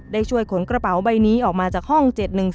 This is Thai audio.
ได้ช่วยขนกระเป๋าใบนี้ออกมาจากห้อง๗๑๒